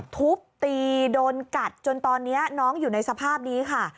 ทุบตีโดนกัดจนตอนนี้น้องอยู่ในสภาพนี้ค่ะ